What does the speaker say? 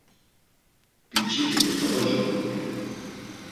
Biç̌iti Must̆afa cozurt̆u.